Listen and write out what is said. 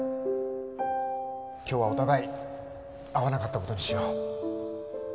今日はお互い会わなかった事にしよう。